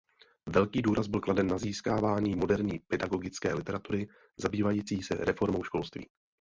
Velký důraz byl kladen na získávání moderní pedagogické literatury zabývající se reformou školství.